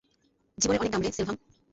জীবনের অনেক দাম রে, সেলভাম।